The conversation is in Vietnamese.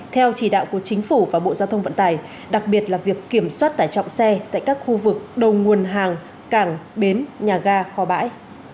theo chỉ đạo của chính phủ và bộ giao thông vận tải đặc biệt là việc kiểm soát tải trọng xe tại các khu vực đầu nguồn hàng cảng bến nhà ga kho bãi